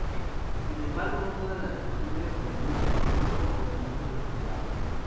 Sin embargo no todas las costumbres conducen a un comportamiento responsable.